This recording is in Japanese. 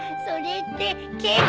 それってケ。